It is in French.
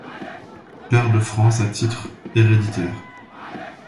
Pair de France à titre héréditaire.